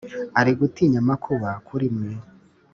Ari ugutinya amakuba kuri mwe!"